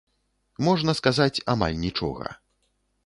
Можна сказаць, амаль нічога.